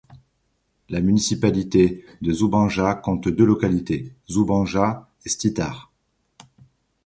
La municipalité de Županja compte deux localités, Županja et Štitar.